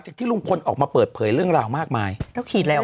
จากที่ลุงพลออกมาเปิดเผยเรื่องราวมากมายแล้วขีดอะไรออก